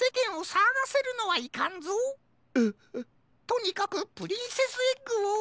とにかくプリンセスエッグを。